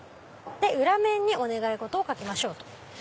「裏面にお願い事を書きましょう」。